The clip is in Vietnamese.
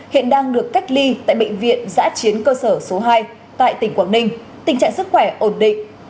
hiện đang được cách ly tại bệnh viện giã chiến cơ sở số hai tại tỉnh quảng ninh tình trạng sức khỏe ổn định